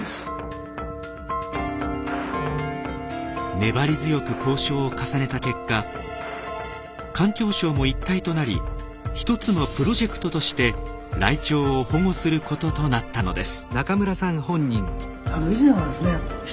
粘り強く交渉を重ねた結果環境省も一体となり１つのプロジェクトとしてライチョウを保護することとなったのです。